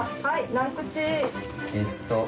何口？